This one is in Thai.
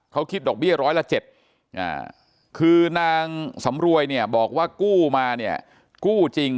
เขาคิดดอกเบี้ยร้อยละ๗คือนางสำรวยเนี่ยบอกว่ากู้มาเนี่ยกู้จริง